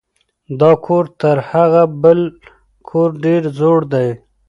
دا کور تر هغه بل کور ډېر زوړ دی.